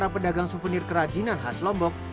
ketika mereka mengambil sebuah souvenir kerajinan khas lombok